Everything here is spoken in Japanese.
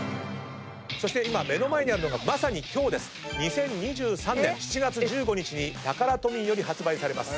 今目の前にあるのがまさに今日２０２３年７月１５日にタカラトミーより発売されます